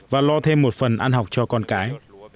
và lo thêm một phần ăn học cho con cái